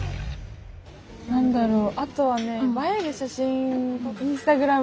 何だろう？